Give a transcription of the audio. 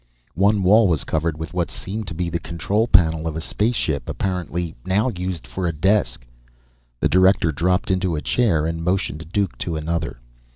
One wall was covered with what seemed to be the control panel of a spaceship, apparently now used for a desk. The director dropped into a chair and motioned Duke to another.